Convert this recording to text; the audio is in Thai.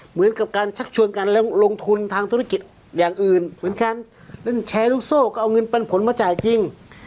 เหมือนกับการชักชวนกันแล้วลงทุนทางธุรกิจอย่างอื่นเหมือนกันเล่นแชร์ลูกโซ่ก็เอาเงินปันผลมาจ่ายจริง